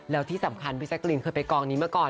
แล้วที่สำคัญพี่แจ๊กรีนเคยไปกองนี้มาก่อน